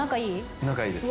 仲いいです。